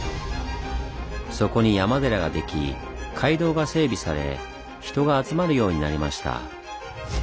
そこに山寺ができ街道が整備され人が集まるようになりました。